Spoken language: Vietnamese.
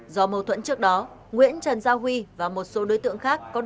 do mâu thuẫn trước đó nguyễn trần giao huy và một số đối tượng đã bị ngăn chặn